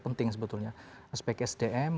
penting sebetulnya aspek sdm